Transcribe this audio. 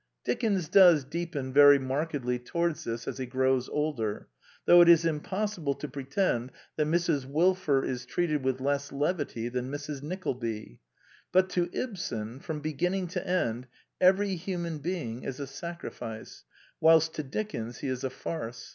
Dickens does deepen very markedly towards this as he grows older, though it is im possible to pretend that Mrs. Wilfer is treated with less levity than Mrs. Nickleby; but to Ibsen, from beginning to end, every human being is a sacrifice, whilst to Dickens he is a farce.